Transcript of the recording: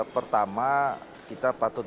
pertama kita patut